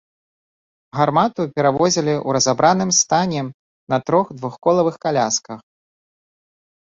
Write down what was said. Гармату перавозілі ў разабраным стане на трох двухколавых калясках.